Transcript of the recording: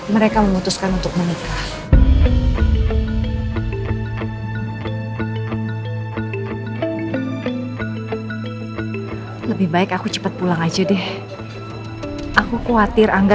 mereka memutuskan untuk menikah lebih baik aku cepat pulang aja deh aku khawatir angga